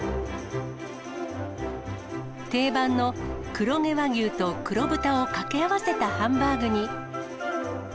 定番の黒毛和牛と黒豚を掛け合わせたハンバーグに。